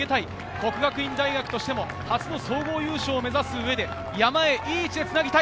國學院大學としても初の総合優勝を目指す上で、山へ、いい位置でつなぎたい。